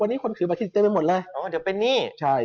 วันนี้คนถือบัตรเครดิตเต็มไปหมดเลย